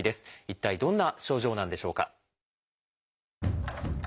一体どんな症状なんでしょうか。